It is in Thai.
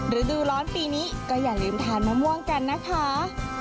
ฤดูร้อนปีนี้ก็อย่าลืมทานมะม่วงกันนะคะ